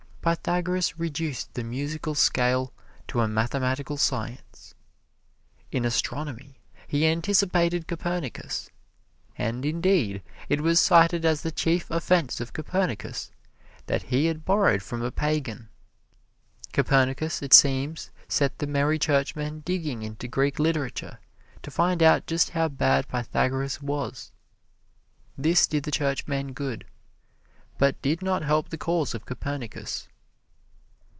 Pythagoras reduced the musical scale to a mathematical science. In astronomy he anticipated Copernicus, and indeed, it was cited as the chief offense of Copernicus that he had borrowed from a pagan. Copernicus, it seems, set the merry churchmen digging into Greek literature to find out just how bad Pythagoras was. This did the churchmen good, but did not help the cause of Copernicus.